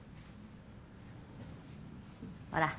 ほら。